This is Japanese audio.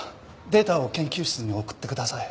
データを研究室に送ってください。